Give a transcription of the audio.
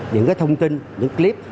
những cái thông tin những clip